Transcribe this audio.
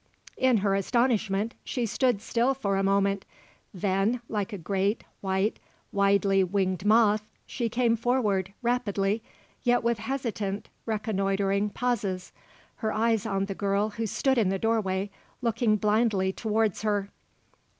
In her astonishment, she stood still for a moment; then, like a great, white, widely winged moth, she came forward, rapidly, yet with hesitant, reconnoitring pauses, her eyes on the girl who stood in the doorway looking blindly towards her.